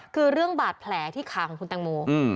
คือเรื่องบาดแผลที่ขาของคุณแตงโม